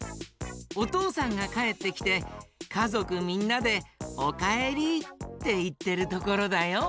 おとうさんがかえってきてかぞくみんなで「おかえり」っていってるところだよ。